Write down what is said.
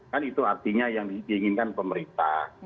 kan itu artinya yang diinginkan pemerintah